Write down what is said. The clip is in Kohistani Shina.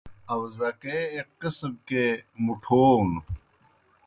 آؤزکے ایْک قسم کے مُٹَھوٗنوْ۔